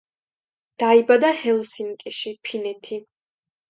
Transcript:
დაიბადა ჰელსინკში, ფინეთი.